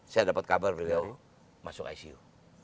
saya dapat kabar beliau masuk icu